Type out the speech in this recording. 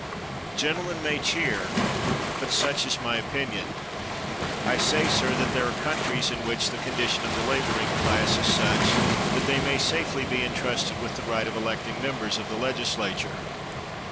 ^ Gentlemen may cheer, but such is my opinion I say, sir, that there are countries in which th( condition of the laboring classes is such tha they may safely be entrusted with the right oJ electing members of the legislature.